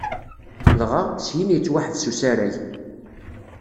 Dɣa, syin yettwaḥbes usarag.